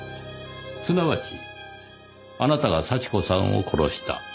すなわちあなたが幸子さんを殺した。